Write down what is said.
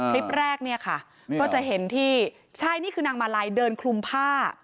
คลิปแรกเนี่ยค่ะก็จะเห็นที่ใช่นี่คือนางมาลัยเดินคลุมผ้า